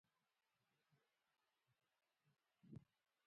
نفت د افغان ځوانانو لپاره دلچسپي لري.